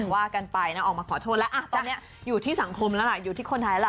ว่ากันไปนะออกมาขอโทษแล้วตอนนี้อยู่ที่สังคมแล้วล่ะอยู่ที่คนไทยแล้วล่ะ